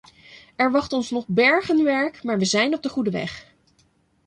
Er wacht ons nog bergen werk, maar we zijn op de goede weg.